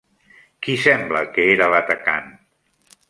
Qui sembla que era l'atacant?